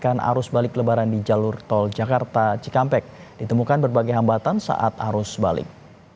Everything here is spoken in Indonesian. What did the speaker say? dan arus balik lebaran di jalur tol jakarta cikampek ditemukan berbagai hambatan saat arus balik